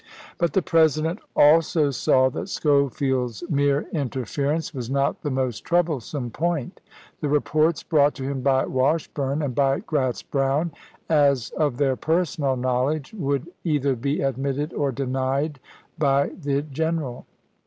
But the President also saw that Schofield's mere interference was not the most troublesome point. The reports brought to him by Washburne and by Gratz Brown, as of their personal knowledge, would either be admitted or denied by the general.